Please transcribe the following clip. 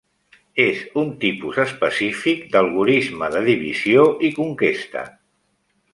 És un tipus específic d'algorisme de divisió i conquesta.